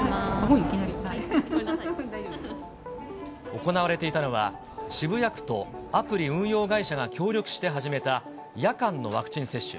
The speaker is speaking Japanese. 行われていたのは、渋谷区とアプリ運用会社が協力して始めた夜間のワクチン接種。